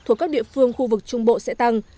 thuộc các địa phương khu vực trung bộ sẽ tăng